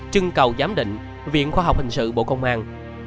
trưng cầu giám định viện khoa học hình sự bộ công an